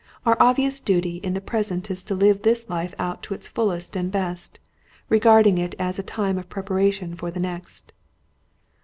Our obvious duty in the present is to live this life out to its fullest and best, regarding it as a time of preparation for the next."